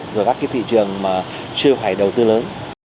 rồi các cái thị trường mà chưa phải đầu tư lớn